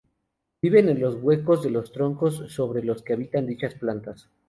Viven en los huecos de los troncos sobre los que habitan dichas plantas.